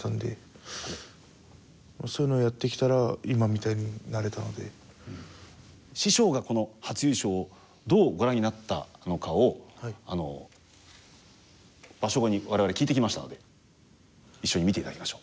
そうですねちゃんと師匠がこの初優勝をどうご覧になったのかを場所後に我々聞いてきましたので一緒に見て頂きましょう。